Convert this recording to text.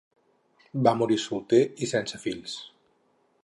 Va morir solter i sense fills.